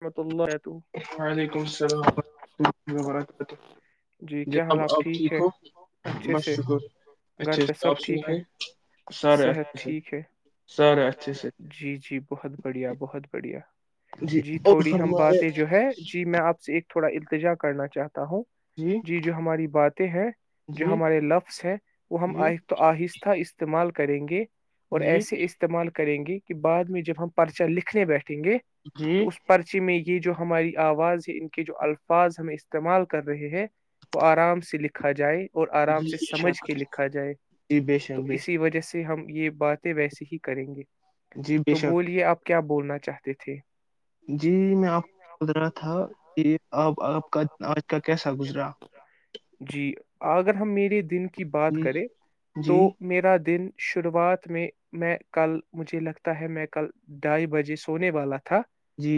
محمت اللہ وعلیکم السلام ورحمۃ اللہ وبرکاتہ جناب آپ ٹھیک ہو بس شکر اچھے سے آپ سنیں سارے اچھے سے سارے اچھے سے جی تھوڑی ہم باتیں جو ہے جی میں آپ سے ایک تھوڑا انتجا کرنا چاہ ہوں جی جو ہماری باتیں ہیں جو ہمارے لفظ ہیں وہ ہم آہ تو آہستہ اس استعمال کریں گے اور ایسے استعمال کریں گے کہ بعد میں جب ہم پرچہا لکھنے بیٹھے تنگیں تو اس پرچی میں ہی یہ جو ہماری آواز ہے ان کے جو الفاظ ہمیں استعمال کر رہے ہیں وہ آرام سے لکھا جائے اور آرام سے سمجھ کے لکھا جائے تو اسی وجہ سے ہم یہ باتیں ویسے ہی کریں گے تو بولیے آپ کیا بولنا چاہتے تھے جی میں آپ کو بول رہا تھا ایک اب آپ کا آج کا کیسا گزرا جی اگر ہم میرے دن کی بات کریں تو میرا دن شروعات میں میں کل مجھے لگتا ہے میں کل ڈھائی بجے سونے والا تھا تھا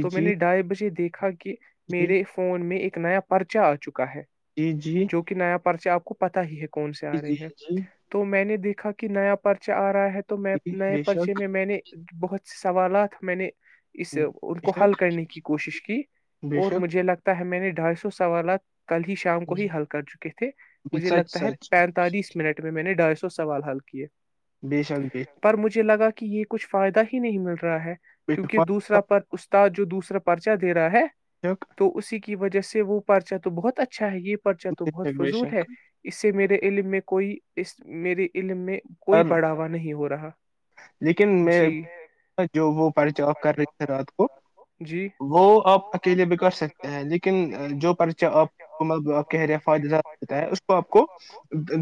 تو میں نے ڈھائی بجے دیکھ [unintelligible] کہ میرے میں ایک نیا پرچہ آ چکا آ چکا ہے جو کہ نیا پرچا آپ کو پتا ہی ہے کون سے آ رہے ہیں تو میں نے دیکھا کہ نیا پرچ آ رہا ہے تو میں نئے پرچے میں میں نے بہت سے سوالات میں نے اس ان کو حل کرنے کی کوشش کی اور مجھے لگتا میں نے ڈھائی سو سوالات کل ہی شام کو ہی حل کر چکے تھے مجھے لگتا ہے پینتالیس منٹ میں میں نے ڈر سوال حال کیے بے شک بھی کہ یہ کچھ فائدہ ہی نہیں مل رہا ہے کیونکہ دوسرا پر اس جو دوسرا پرچہ دے رہا ہے تو اسی کی وجہ سے وہ پرچا تو بہت اچھا ہے یہ پرچا تو بہت فضول ہے اس سے میرے علم میں کوئی اس میے علم میں لیکن میں جو وہ پرچا کر رہی تھے رات کو وہ آپ اکیلے بھی کر سکتے ہیں لیکن جو پرچہ آپ کہہ رہے ہو فایدہ ہوتا ہے اسکو آپکو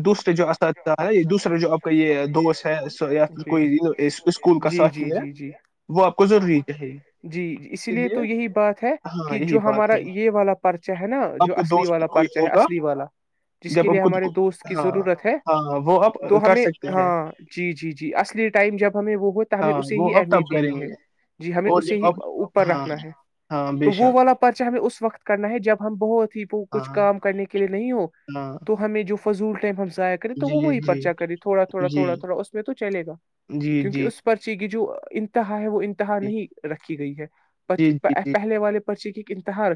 دوسرے جو اساتذہ ہے آپ کا یہ دوست ہے یا پھر کوئی اسکول کا ساتھی ہے وہ آپ کو ضروری چاہیے اسی لیے ہاں یہی بات ہے یہ والا پرچا ہے نا جو اصلی والا پرچا ہے اصلی والا جس کے لیے ہمارے دوست کی ضرورت ہے تو ہمیں ہاں جی جی جی اصلی ٹائم جب ہمیں وہ ہو ہمیں اسے ہی اہمیت دینی ہے جی ہمیں اسے ہی اوپر رکھنا ہے تو وہ والا پرچ ہمیں اس وقت کرنا ہے جب ہم بہت وہ کچھ کام کرنے کے لیے نہیں ہو تو ہمیں جو فضول ٹیبلس ض کرے تو وہ وہی پرچا کرے تھوڑا تھوڑا تھوڑا تھوڑا اس میں تو چلے گا کیونک اس پرچی کی جو انت ہے وہ انتہا نہیں رکھے رکھی گئی ہے بچ پہلے والے پچی کی انتہار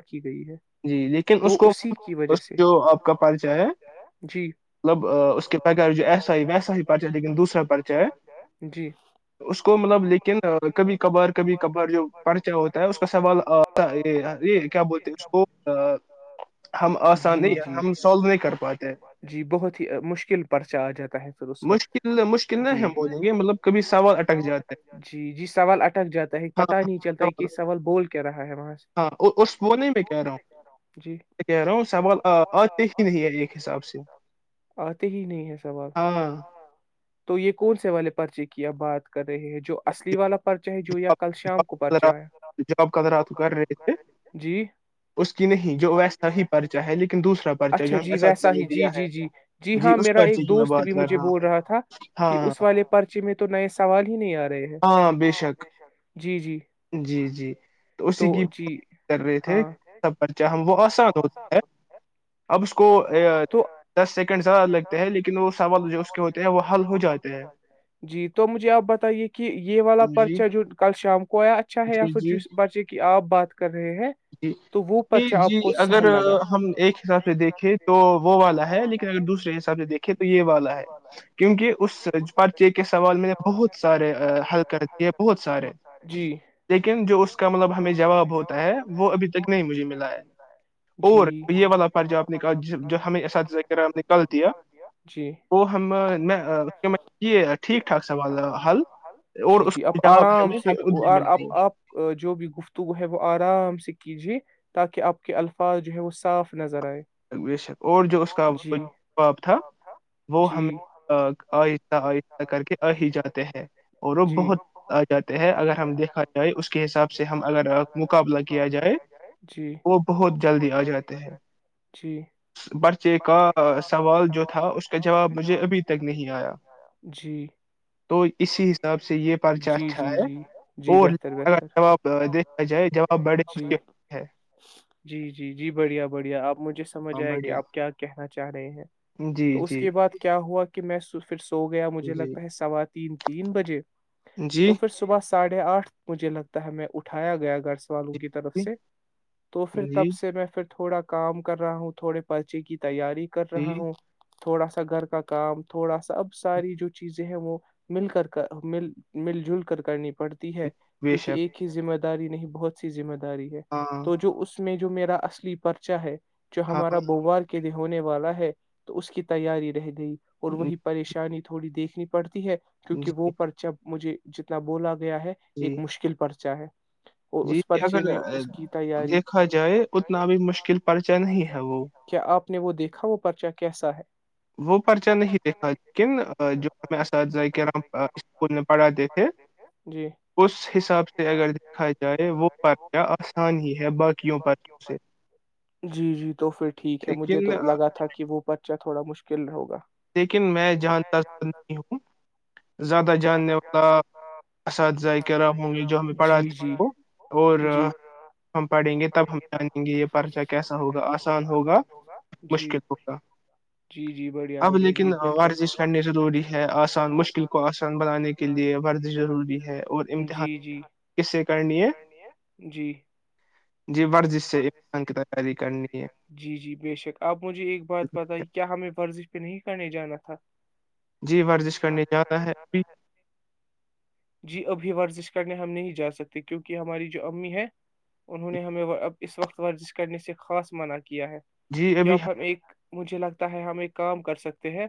جی لیکن اس کو جو آپ کا پرچا ہے مطلب اس کے بغیر جو ایسا ہی ویسا ہی پرچا لیکن دوسرا پرچا ہے اس کو مطلب لیکن کبھی کبھار کبھی کبھار جو پرچا ہوتا ہے اس کا سوال کیا بولتے ہیں جی جی جی بہت ہی مشکل پرچہ آ جاتا ہے مشکل مشکل نہ ہے بولیں گے مطلب کبھی سوال اٹک جاتے ہیں ہاں ہاں اس ہ ج آتے ہی نہیں ہے سوال ہ تو یہ کون سے والے پرچے کی اب بات کر رہے ہیں جو اصلی والا پرچے جو یا کل شام کو پرچہ ہے جی اچھا جی ویسا ہی جی جی جی جی ہاں میرا ایک دوست بھی مجھے بول رہا تھا کہ اس والے پرچے میں تو نئے سوال ہی نہیں ہاں بے شک جی جی تو اسی کی کر رہی تھے سبرچاہ وہ آسان ہوتا ہے اب اس کو اس کو دس سیکنڈ زیادہ لگتے ہیں لیکن وہ سوال جو اس کے ہوتے ہیں وہ حل ہو جاتے ہیں کہ یہ والا پرچا جو کل شام کو کویا اچھا ہے یا پھر جس بچے کی آپ بات کر رہے ہیں جی ج جی اگر ہم ایک حساب سے دیکھ تو وہ والا ہے لیکن اگر دوسرے حساب سے دیکھے تو یہ والا ہے کیونکہ اس پرچے کے سوال میں نے بہت سارے حل کر دی ہے بہت سارے لیکن جو اس کا مطلب ہمیں جواب ہوتا ہے وہ ابھی تک نہیں مجھے ملا ہے اور یہ والا فرض آپ نے پناب نال نکال دیا جی وہ ٹھیک ٹھ سوالا حال جی جی آپ آرام سے آپ جو بھی گفتگو ہے وہ آرام سے کیجیے تاکہ آپ کے الفاظ جو ہے وہ صاف نظر آئے شک اور جو اس کا باپ تھا وہ ہمیں آہستہ آہستہ کر کے آ ہی جاتے ہیں اور وہ بہت آ جاتے ہیں اگر ہم دیکھا جائے اس کے حساب سے ہم اگر مقابلہ کیا جائے وہ بہت جلدی آ جاتے ہیں جیے کا سوال جو تھا اس کا جواب مجھے ابھی تک یہ آیا جی اسی سے جی جی جی جی بہتر بتر دیک ج ج جی جی جی بڑھیا بڑھیاپ مجھے سمجھ آیا کہ آپ کیا کہنا چاہیںے ج تو اس کے بعد کیا ہوا کہ محسوس پھر سو گیا مجھے لگتا ہے سوات تین تین بجے تو پھر صبح ساڑھے آٹھ مجھے لگتا ہے میں اٹھایا گیا گھر سے والوں کی طرف سے تو پھر تب سے میں پھر تھوڑا کام کر رہا ہوں تھوڑے پرچے کی تیاری کر رہا ہوں تھوڑا سا گھر کا کام تھوڑا سا اب ساری جو چیزیں ہیں وہ مل کر مل مل جل کر کرنی پڑتی ہے کیونکہ ایک ہی زمت داری نہیں بہت سیمہد ج رہی ہے تو جو اس میں جو میرا اصلی پرچا ہے جو ہمارا بوموار کے ہونے والا ہے تو اس کی تیاری رہ گئی اور وہی پریشانی تھوڑی دیکھنی پڑتی ہے کیونکہ وہ پر جب مجھے جتنا بولا گیا ہے ایک مشکل پرچا ہے جی اگر دیکھا جائے اتنا بھی مشکل پرچائے نہیں ہے وہ نے وہ دیکھا وہ پرچا کیسا ہے وہ پرچہ نہیں دیکھا جن جو میں صاحب نے پڑھاتے تھے اس حساب سے اگر دیکھا جائے وہ اسان ہی جی جی تو پھر ٹھیک ہے مجھے تو لگا تھا کہ وہ پرچک تھوڑا مشکل رہ ہوگا لیکن میں جانتا نہیں ہوں زیادہ جاننے والا اساتذائقہ ہوں گے جو ہمیں پڑھاتے ہو اور ہم پڑھیں گے تب ہم جانیں گے یہ پرچہ کیسا ہوگا گا ہو جی مکل جی جی بڑھیا [unintelligible] اب لیکن ورزش کرنی ضروری ہے آسان مشکل کو آسان بنانے کے لیے ورزش ضروری ہے اور امتحان کس سے کرنی ہے جی ورزش سے امتحان کی طر جی جی بے شک آپ مجھے ایک بات پت کیا ہمیں فورضی نہیں کرنے جانا تھا جی ورزش کرنے جتا ہے جی ابھی ورزش کرنے ہم نہیں جا سکتے کیونکہ ہماری جو امی ہیں انہوں نے ہمیں اب اس وقت ورزش کے کرنے سے خاص منع کیا ہے کہ آپ ہم ایک مجھے لگتا ہے ہم ایک کام کر سکتے ہیں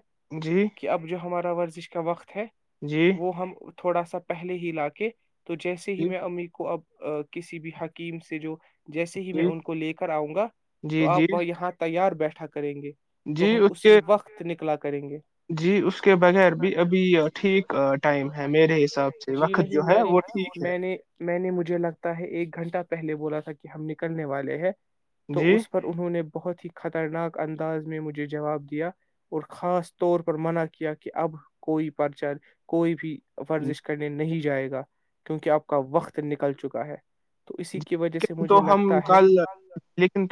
کہ اب جو ہمارے ورزش کا وقت [inaudible] تھ وہ ہم تھوڑا سا پہلے ہی لا کے [inaudible] تو جیسے ہی میں امی کو اب ا کسی بھی حکیم سے جو جیسے ہی میں ان کو کو لے کر آؤں گا تو آپ وہ یہاں تیار بیٹھک کریں گے تو ہم اسی وقت نکلااتے یں گے جی نہیں مجھے لگتا ایک گھنٹہ پہے بولا تھا کہ ہم نکلنے والے ہے [unintelligible] تو اس پر انہوں نے بہت ہی خطرناک انداز میں مجھے جواب دیا اور خاص طور پر منع کیا کہ اب کوئی پرچر کوئی بھی ورزش کرنے نہیں جائے گا کیونکہ آپ کا وقت نکل چکا ہے تو اسی کی وجہ سے مجھے لگتا ہے کل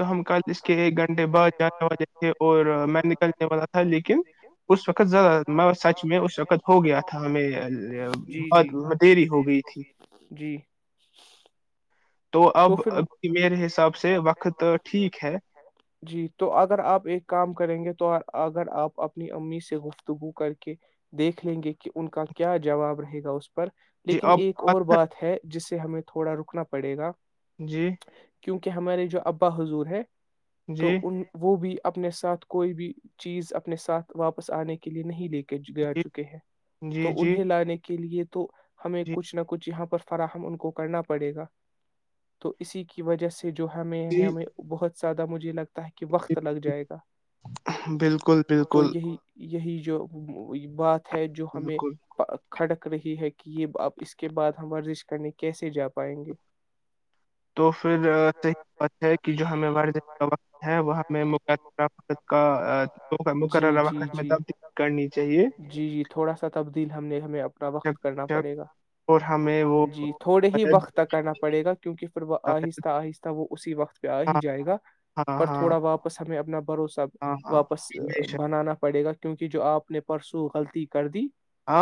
لیکن تو ہم کل اس کے ایک گھنٹے بعد جے اور نکلنے والا تھا لیکن اس وقتیاد سچ میں اس وقت ہو گیا تھا ہم جی جی بد ہو گئی جی [unintelligible] تو اب اب میرے میرے حساب سے وق جی تو اگر آپ ایک کام کریں گے تو [unintelligible] اگر آپ اپنی امی سے گفتگو کر کے دیکھ لیں گے کہ ان کا کیا جواب رہے گا اس پر لیکن ایک اور بات ہے جس سے ہمیں تھوڑا رکنا پڑے گا جی کیونکہ ہمارے جو ابا حضور ہے تو ان وہ بھی اپنے ساتھ کوئی بھی چیز اپنے ساتھ واپس آنے کے لیے نہیں لے کے جا چکے ہیں تو انہیں لانے کے لیے تو ہمیں کچھ نہ کچھ یہاں پر فراہم ان کو کرنا پڑے گا تو اسی کی کی وجہ سے جو ہمیں ہمیں بہت زیادہ مجھے لگتا ہے کہ وقت لگ جائے گا بک تو یہی یہی جو بات ہے جو ہمیں کھڑک رہی ہے کہ یہ آپ اس کے بعد ہم ورزش کرنے کیسے جا پائیں گے تو پھرحیح ہے کہ جو ہمیں ہے وہ ہمیں کا مقررہ وقت میں تبدیل کرنی چاہیے اور ہمیں وہ آہستہ آہستہ وہ اسی وقت پیا ہی جائے گا پر تھوڑا واپس ہمب میں اپنا بھروسہ واپس بنانا پڑے گا کیونہ جو آپ نے پرسوں غلطی کر دی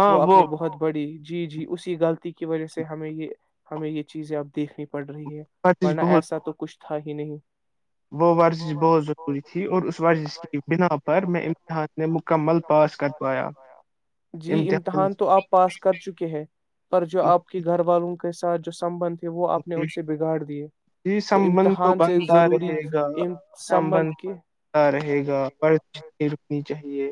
وہ اپنی بہت بڑی جی جی اسی غلطی کی وجہ سے ہمیں یہ ہمیں یہ چیزیں اب دیکھنی پڑ رہی ہے ورنہ ایسا تو کچھ تھا ہی نہیں جی امتحان تو آپ پاس کر چکے ہیں پر جو آپ کے گھر والوں کو کے ساتھ جو سبندھ وہ آ نے ان سے بگاڑ د جی سمبند تو بنتا رہے گا سمبند بنتا رہے گا چاہیے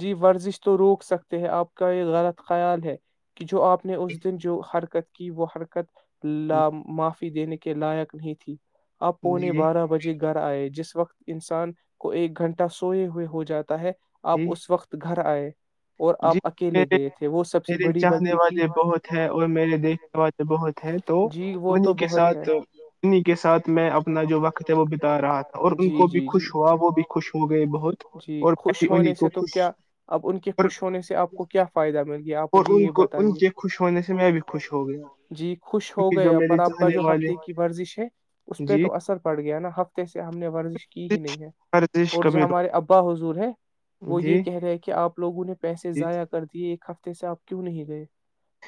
جی ورزش تو روک سکتے ہیں آپ کا یہ غلط خیال ہے کہ جو آپ نے اس دن جو حرکت کہ وہ حرکت ل مس دینے کے لائق نہیں تھی اب پونے بارہ بجے گھر آئے جس وقت انسان کو ایک گھنٹہ سوئے ہوئے ہو جاتا ہے آپ اس وقت گ گھر آئے جی میرے چاہنے والے بہت ہیں اور میرے دیکھنے والے بہت ہیں تو انیں کے ساتھ انیں کے ساتھ میں اپنا جو وقت ہے وہ بتا رہا تھا اور ان کو بھی خوش ہوا وہ بھی خوش ہو گئے بہت اور میں ہونے سے تو کیا اب ان کے خوش ہونے سے آپ کو کیا فائدہ مل مجھے یہ بتائیے جی خوش ہو گیا پر آپ کا جو ہفتے کی ورزش ہے اس پہ تو اثر پڑ گیا نا ہفتے سے ہم نے ورزی کی ہی نہیں ہے اور جو ہمارے ابا حضور ہے وہ یہ کہہ رہے ہیں کہ آپ لووں نے پیسے ضع کر دیے ایک ہفتےہ سے آپ کیوں نہیں گئے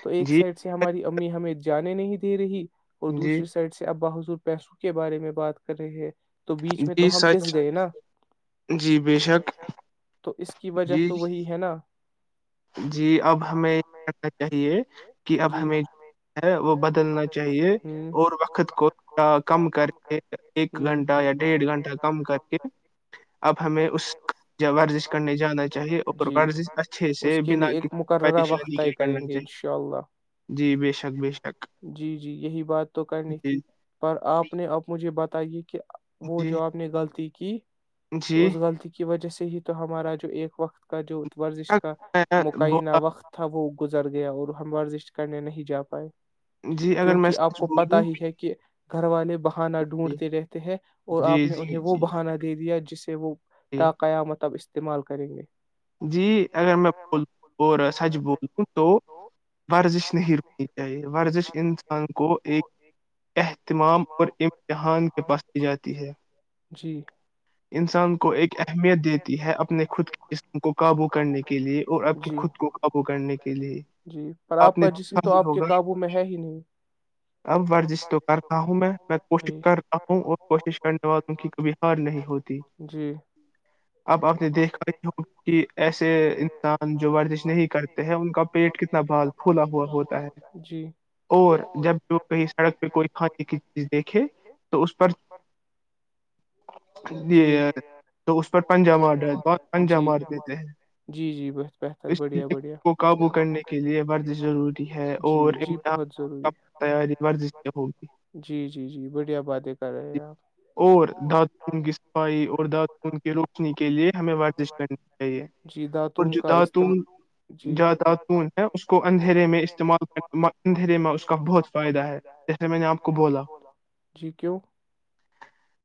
تو ایک سائڈ سے ہماری امی ہمیں جانے نہیں دے رہی اور دوسری سائڈ سے اباس پیسوں کے بارے میں بات کر رہے ہیں جی سچ جی بے شک اس کی وجہ تو وہی ہے نا جی اب ہمیں یہ کرنا چاہیے کہ اب ہمیں ہے بدلنا چاہیے اور وقت کو کم کر کے ایک گھنٹہ یا ڈیھ گھنٹہ کم کر کے اب ہمیں اس ورزش کرنے جانا چاہیے اور ورزش اچھے سے بنا ک پریشانی کیا کرنا چاہیے جی بے شک بے شک جی جی یہی بات تو کرنی تھی پر آپ نے اب مجھے بتا تاک یہ کہ وہ جو آپ نے غلطی کی تو اس غلطی کی وجہ سے ہی تو ہمارا جو ایک وقت کا جو ورزش کا مقعینہ وقت تھا وہ گزر گیا اور ہم ورزش کرنے نہیں جا پائے کیونکہ آپ کو پتا ہی ہے کہ گھر والے بہانہ ڈھونڈتے رہتے ہیں اور آپ نے انہیں وہ بہانا دے دیا جس سے وہ تا قیامت اب اس استعمال کریں گے جی اگر میں بولوں اور سچ بولوں تو ورزش نہیں رکنیی چاہیے ورزش انسان کو ایک اہتمام اور امتحان کے پاس کی جاتی ہے انسان کو ایک اہمیت دیتی ہے اپنے خود قابو کرنے کے لیے اور آپ کے خود کو قابو کرنے کے لیے آپ نے دیکھا ہی ہوگا اب ورزش تو کر رہا ہوں میں میں کوشش کر رہا ہوں اور کوشش کرنے والا ہوں کہ کبھی ہار نہیں ہوتی اب آپ نے دیکھا ہی ہو کہ ایسے انسان جو ورزش نہیں کرتے ہیں ان کا پیٹ کتنا بھال پھلا ہوا ہوتا ہے اور جب کہیں سڑک پہ کوئی کھانے کی چیز دیکھے تو اس پر یہ تو اس پر پنجا مار رہ ب پنجا مار دیتے ہیں اس کو قابو کرنے کے لیے ورزش ضروری ہے اور امتحان تیاری ورزش میں ہوگی اور دات کی صفائی اور داتوں کی روشنی کے لیے ہمیں ورزش کرنی اور جو داتون جا داتون ہے اس کو اندھیرے میں استعمال کر ھیرے میں اس کا بہت فائدہ ہے جسے میں نے آپ کو بولا جی کیوں